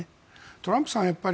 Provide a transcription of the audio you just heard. トランプさん